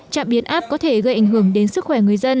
trạm biến áp có thể gây ảnh hưởng đến sức khỏe